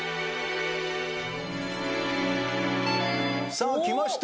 さあきました。